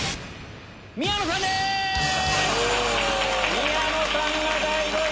宮野さんが第５位！